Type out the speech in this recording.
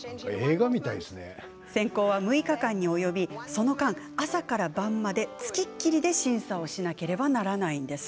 選考は６日間に及びその間、朝から晩まで付きっきりで審査をしなければなりません。